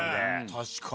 確かに。